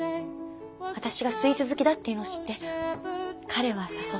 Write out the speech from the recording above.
私がスイーツ好きだっていうのを知って彼は誘ってくれた。